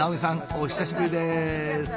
お久しぶりです！